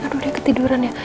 aduh dia ketiduran ya